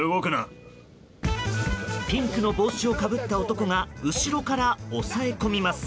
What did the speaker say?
ピンクの帽子をかぶった男が後ろから押さえ込みます。